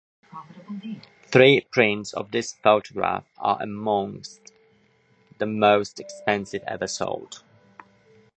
Three prints of this photograph are among the most expensive ever sold.